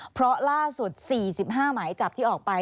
เพราะล่าสุด๔๕หมายจับที่ออกไป